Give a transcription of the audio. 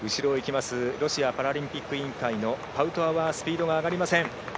ＲＰＣ＝ロシア・パラリンピック委員会のパウトワはスピードが上がりません。